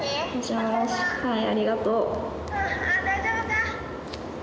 はいありがとう。